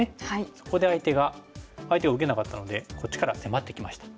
そこで相手が相手が受けなかったのでこっちから迫ってきました。